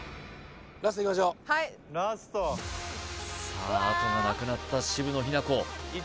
はいさああとがなくなった渋野日向子